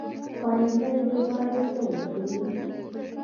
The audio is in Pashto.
په آینده کې غواړي څه وکړي ؟